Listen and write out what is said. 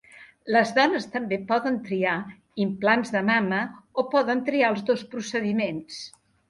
Les dones també poden triar implants de mama o poden triar els dos procediments.